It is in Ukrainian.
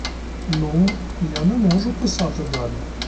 Ну, я не можу писати далі.